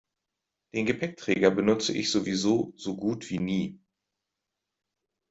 Den Gepäckträger benutze ich sowieso so gut wie nie.